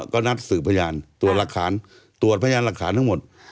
ก็นัดสื่อพยานตรวจพยานหลักฐานทั้งหมด